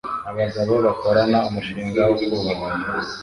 Abagabo bakorana umushinga wo kubaka